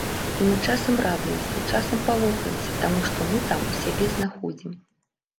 І мы часам радуемся, часам палохаемся таму, што мы там у сябе знаходзім.